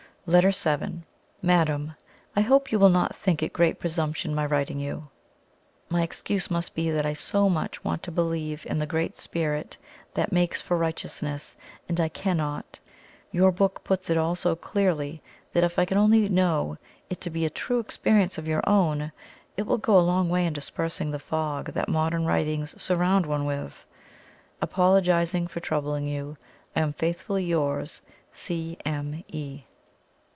] LETTER VII. "MADAM, "I hope you will not think it great presumption my writing to you. My excuse must be that I so much want to believe in he great Spirit that 'makes for righteousness,' and I cannot! Your book puts it all so clearly that if I can only know it to be a true experience of your own, it will go a long way in dispersing the fog that modern writings surround one with. ... "Apologizing for troubling you, I am faithfully yours, "C.M.E."